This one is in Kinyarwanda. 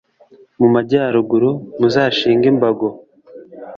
mu majyaruguru, muzashinge imbago